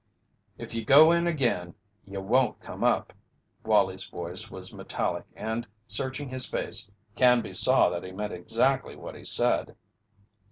"If you go in again you won't come up." Wallie's voice was metallic and, searching his face, Canby saw that he meant exactly what he said.